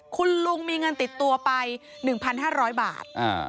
คุณลุงมีเงินติดตัวไป๑๕๐๐บาท